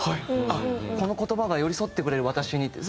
あっこの言葉が寄り添ってくれる私にって。